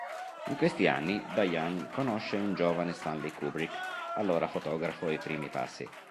In questi anni Diane conosce un giovane Stanley Kubrick, allora fotografo ai primi passi.